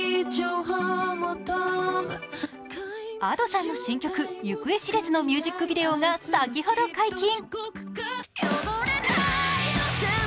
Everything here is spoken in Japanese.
Ａｄｏさんの新曲「行方知れず」のミュージックビデオが先ほど解禁。